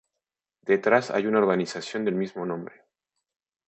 Detrás hay una urbanización del mismo nombre.